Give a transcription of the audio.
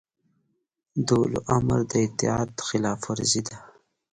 د اولوامر د اطاعت خلاف ورزي ده